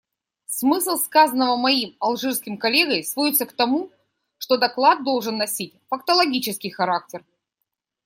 Смысл сказанного моим алжирским коллегой сводится к тому, что доклад должен носить фактологический характер.